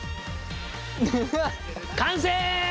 完成！